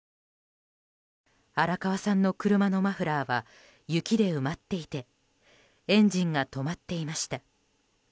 荒川さんの車のマフラーは雪で埋まっていてエンジンが止まっていました。